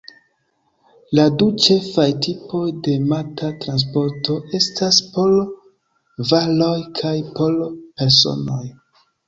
La du ĉefaj tipoj de mata transporto estas por varoj kaj por personoj.